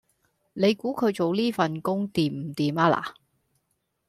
你估佢做呢份工掂唔掂吖嗱